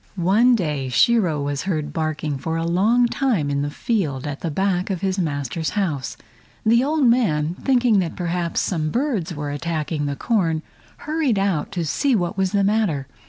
One day Shiro was heard barking for a long time in the field at the back of his master's house. The old man, thinking that perhaps some birds were attacking the corn, hurried out to see what was the matter.